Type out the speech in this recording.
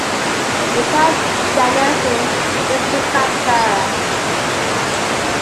The type genus is "Acetobacter".